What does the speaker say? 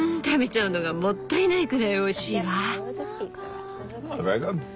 食べちゃうのがもったいないくらいおいしいわ。